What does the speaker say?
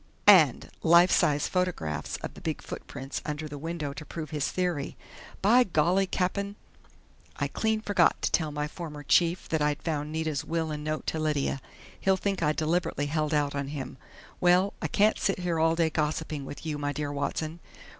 And life size photographs of the big footprints under the window to prove his theory!... By golly, Cap'n! I clean forgot to tell my former chief that I'd found Nita's will and note to Lydia! He'll think I deliberately held out on him.... Well I can't sit here all day gossiping with you, 'my dear Watson....'